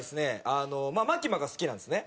あのマキマが好きなんですね。